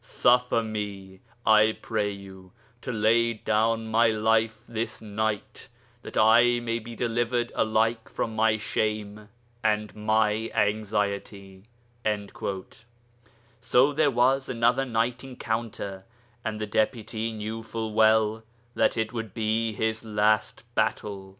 Suffer me, I pray you, to lay down my life this night, that I may be delivered alike from my shame and my anxiety.' So there was another night encounter, and the Deputy knew full well that it would be his last battle.